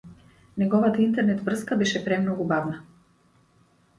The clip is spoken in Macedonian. Неговата интернет-врска беше премногу бавна.